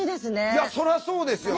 いやそらそうですよね。